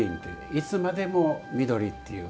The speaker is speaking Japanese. いつまでも緑っていう。